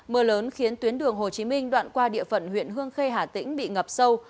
mưa lớn khiến tuyến đường hồ chí minh đoạn qua địa phận huyện hương khê hà tĩnh bị ngập sâu